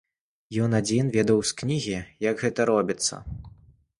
Ён адзін ведаў з кнігі, як гэта робіцца.